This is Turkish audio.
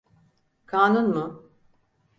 Kanun mu?